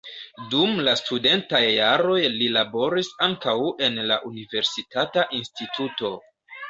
Dum la studentaj jaroj li laboris ankaŭ en la universitata instituto.